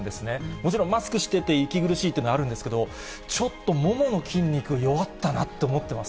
もちろんマスクしてて息苦しいっていうのはあるんですけど、ちょっとももの筋肉、弱ったなって思ってます。